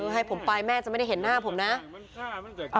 ให้ผมไปแม่จะไม่ได้เห็นหน้าผมนะ